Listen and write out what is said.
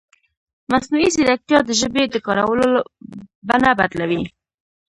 مصنوعي ځیرکتیا د ژبې د کارولو بڼه بدلوي.